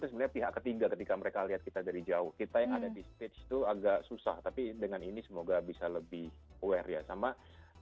itu sebenarnya pihak ketiga ketika mereka lihat kita dari jauh kita yang ada di stage itu agak susah tapi dengan ini semoga bisa lebih aware ya sama itu juga kita harus berpikir pikir